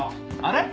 あれ？